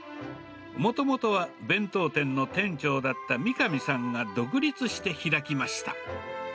もともとは弁当店の店長だった三神さんが独立して開きました。